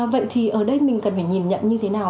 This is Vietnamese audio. vậy thì ở đây mình cần phải nhìn nhận như thế nào